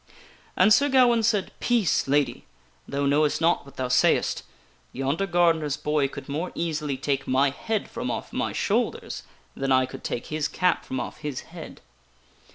And Sir Gawaine said :" Peace, Lady ! Thou knowest not what thou sayest. Yonder gardener's boy could more easily take my head from off my shoulders than I could take his cap from off his head."